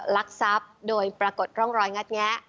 ลักทรัพย์โดยปรากฏร่องรอยงัดแงะ